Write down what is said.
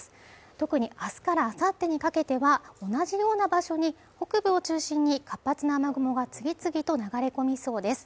特に、あすから明後日にかけては、同じような場所に北部を中心に活発な雨雲が次々と流れ込みそうです。